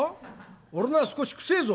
俺のは少し臭えぞ」。